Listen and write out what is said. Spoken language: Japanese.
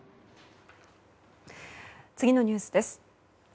次のニュースです。